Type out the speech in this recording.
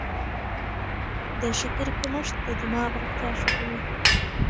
د شکرې کمښت د دماغ روغتیا ښه کوي.